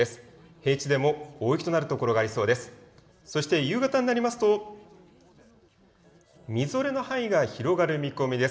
平地でも大雪となる所がありそうです。